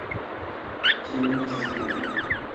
Tio nun estas moda.